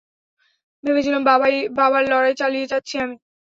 ভেবেছিলাম, বাবার লড়াই চালিয়ে যাচ্ছি আমি।